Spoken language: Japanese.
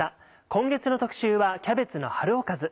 今月の特集は「キャベツの春おかず」。